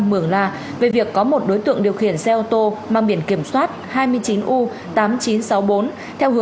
mường la về việc có một đối tượng điều khiển xe ô tô mang biển kiểm soát hai mươi chín u tám nghìn chín trăm sáu mươi bốn theo hướng